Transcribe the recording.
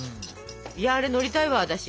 いやあれ乗りたいわ私。